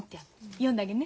読んであげんね。